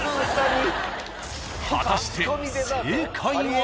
［果たして正解は］